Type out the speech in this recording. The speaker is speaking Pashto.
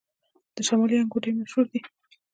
د شمالي انګور ډیر مشهور دي